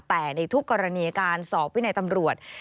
แต่ในทุกกรณีการสอบวินัยตำรวจ